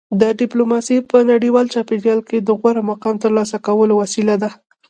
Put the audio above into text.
دا ډیپلوماسي په نړیوال چاپیریال کې د غوره مقام ترلاسه کولو وسیله ده